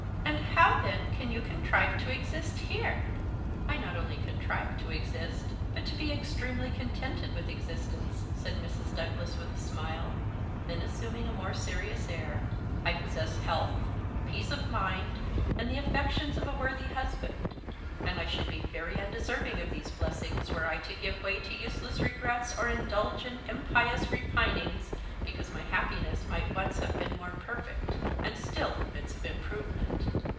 "And how, then, can you contrive to exist here?" "I not only contrive to exist, but to be extremely contented with existence," said Mrs. Douglas, with a smile. Then assuming a more serious air, "I possess health, peace of mind, and the affections of a worthy husband; and I should be very undeserving of these blessings were I to give way to useless regrets or indulge in impious repinings because my happiness might once have been more perfect, and still admits of improvement."